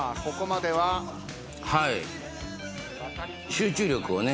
集中力をね